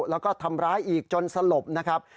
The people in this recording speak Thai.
แล้วก็ทำร้ายอีกจนสลบนะครับ